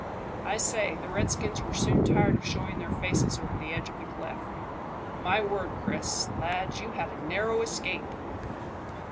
I say, the redskins were soon tired of showing their faces over the edge of the cliff. But, my word, Chris, lad, you had a narrow escape!"